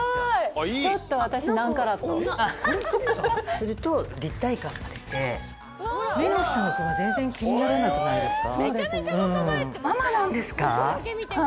すると立体感が出て目の下のクマ全然気にならなくないですか。